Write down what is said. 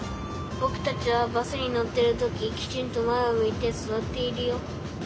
ぼくたちはバスにのってるとききちんとまえをむいてすわっているよ。